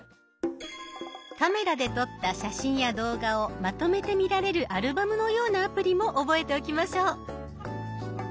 カメラで撮った写真や動画をまとめて見られるアルバムのようなアプリも覚えておきましょう。